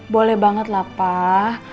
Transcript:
boleh banget lah pak